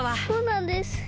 そうなんです！